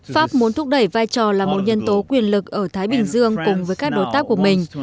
pháp muốn thúc đẩy vai trò là một nhân tố quyền lực ở thái bình dương cùng với các đối tác của mình